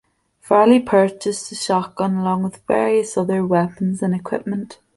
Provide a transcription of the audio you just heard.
Farley purchased a shotgun along with various other weapons and equipment.